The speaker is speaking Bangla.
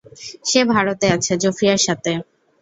সে ভারতে আছে, জোফিয়ার সাথে।